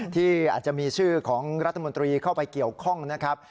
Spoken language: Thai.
ที่อาจจะมีชื่อของรัฐมนตรีเข้าไปเกี่ยวข้องนะครับ